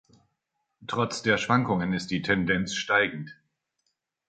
Trotz der Schwankungen ist die Tendenz steigend.